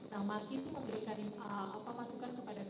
namun itu memberikan masukan kepada kpk